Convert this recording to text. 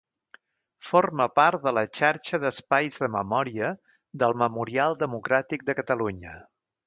Forma part de la xarxa d'espais de memòria del Memorial Democràtic de Catalunya.